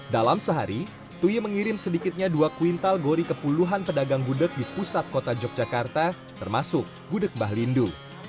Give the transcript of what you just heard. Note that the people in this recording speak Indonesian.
dalam sehari tuye mengirim sedikitnya dua kuintal gori ke puluhan pedagang gudeg di pusat kota yogyakarta termasuk gudeg mbah lindu